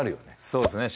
そうですね